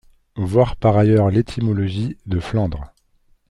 Voir par ailleurs l'étymologie de Flandres.